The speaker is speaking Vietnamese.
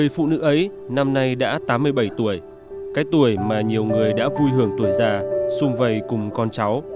phụ nữ ấy năm nay đã tám mươi bảy tuổi cái tuổi mà nhiều người đã vui hưởng tuổi già xung vầy cùng con cháu